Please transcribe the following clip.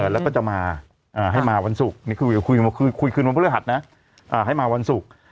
แล้วก็จะมาให้มาวันศุกร์นี่คือคุยคืนวันพฤหัสนะให้มาวันศุกร์